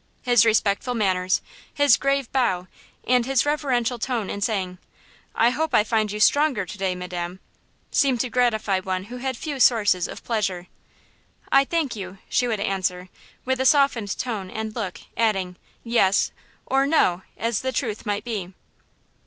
His respectful manners, his grave bow, and his reverential tone in saying– "I hope I find you stronger to day, Madam," seemed to gratify one who had few sources of pleasure. "I thank you," she would answer, with a softened tone and look, adding, "Yes" or "No," as the truth might be.